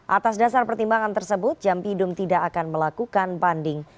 atas dasar pertimbangan tersebut jampidum tidak akan melakukan banding